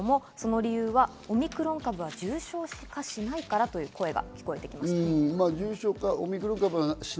その理由はオミクロン株は重症化しないからという声が聞こえてきました。